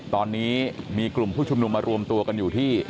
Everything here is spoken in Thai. ตอนนี้มีกลุ่มผู้ชุมนุมมารวมตัวกันอยู่ที่